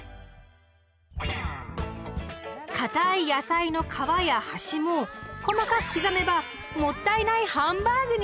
かたい野菜の皮や端も細かく刻めば「もったいないハンバーグ」に！